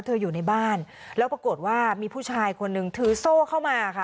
อยู่ในบ้านแล้วปรากฏว่ามีผู้ชายคนนึงถือโซ่เข้ามาค่ะ